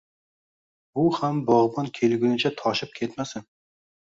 Bu ham bogʻbon kelgunicha toshib ketmasin.